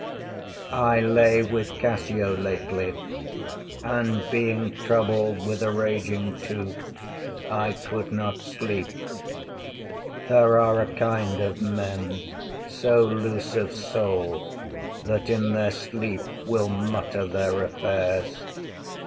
I lay with Cassio lately, And being troubled with a raging tooth, I could not sleep. There are a kind of men so loose of soul, That in their sleeps will mutter their affairs.